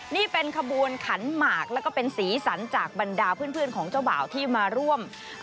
นี่เป็นขบวนขันหมากแล้วก็เป็นสีสันจากบรรดาเพื่อนของเจ้าบ่าวที่มาร่วม